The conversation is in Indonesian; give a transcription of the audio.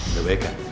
udah baik gak